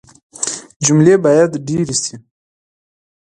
جملې بايد ډېري سي.